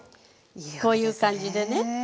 こういう感じでね。